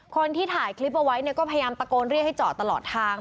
คนที่ถ่ายคลิปเอาไว้เนี่ยก็พยายามตะโกนเรียกให้จอดตลอดทาง